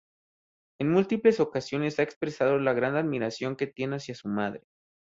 En múltiples ocasiones ha expresado la gran admiración que tiene hacia su madre.